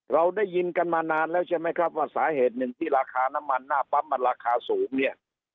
เราได้ยินกันมานานแล้วใช่ไหมครับว่าสาเหตุหนึ่งที่ราคาน้ำมันหน้าปั๊มมันราคาสูงเนี่ย